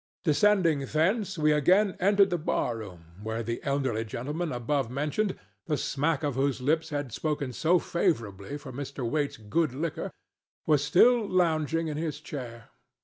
Descending thence, we again entered the bar room, where the elderly gentleman above mentioned—the smack of whose lips had spoken so favorably for Mr. Waite's good liquor—was still lounging in his chair.